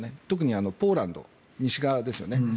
特にポーランド西側ですよね。